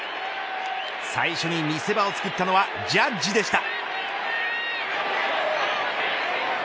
最初に見せ場を作ったのはジャッジでした。